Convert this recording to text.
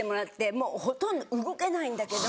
もうほとんど動けないんだけど。